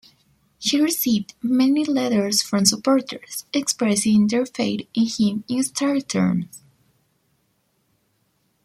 He received many letters from supporters, expressing their faith in him in stark terms.